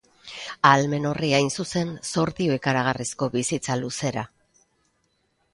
Ahalmen horri, hain zuzen, zor dio ikaragarrizko bizitza-luzera.